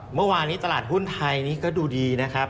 เมื่อวานนี้ตลาดหุ้นไทยนี่ก็ดูดีนะครับ